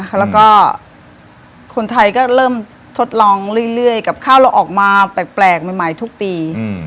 แล้วก็คนไทยก็เริ่มทดลองเรื่อยกับข้าวเราออกมาแปลกใหม่ทุกปี